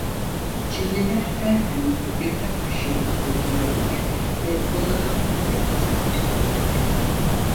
Çinliler her gün birkaç kişiyi alıp götürüyorlar ve bunların pek azı geri dönüyor.